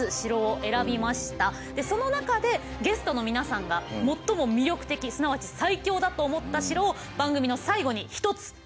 その中でゲストの皆さんが最も魅力的すなわち最強だと思った城を番組の最後に１つ決めて頂きたいと思います。